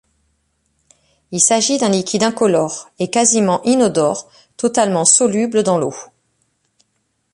Il s'agit d'un liquide incolore et quasiment inodore totalement soluble dans l'eau.